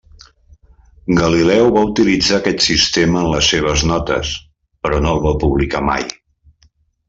Galileu va utilitzar aquest sistema en les seves notes, però no el va publicar mai.